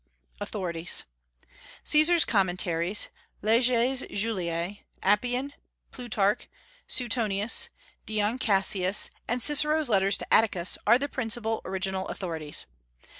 AUTHORITIES. Caesar's Commentaries, Leges Juliae, Appian, Plutarch, Suetonius, Dion Cassius, and Cicero's Letters to Atticus are the principal original authorities.